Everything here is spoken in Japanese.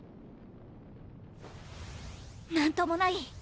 何ともない？